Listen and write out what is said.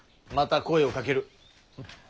また声をかける。